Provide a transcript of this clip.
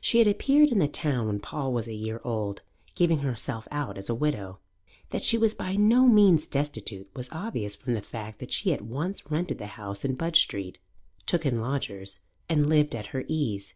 She had appeared in the town when Paul was a year old, giving herself out as a widow. That she was by no means destitute was obvious from the fact that she at once rented the house in Budge Street, took in lodgers, and lived at her ease.